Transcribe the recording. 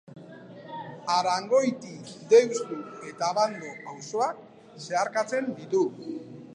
Arangoiti, Deustu eta Abando auzoak zeharkatzen ditu.